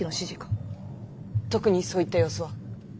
特にそういった様子は。